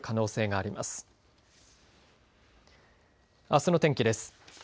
あすの天気です。